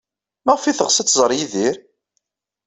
Maɣef ay teɣs ad tẓer Yidir?